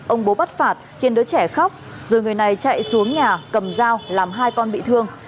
ông bố bắt phạt khiến đứa trẻ khóc rồi người này chạy xuống nhà cầm dao làm hai con bị thương